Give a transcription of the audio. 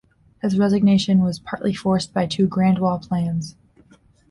His resignation was partly forced by two grandiose plans.